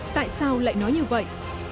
tại sao lại nói như vậy